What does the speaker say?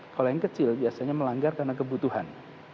kalau yang kecil biasanya melanggar karena kebutuhan